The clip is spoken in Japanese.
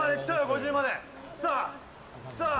５０までさあさあ